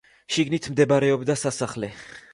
შიგნით მდებარეობდა სასახლე.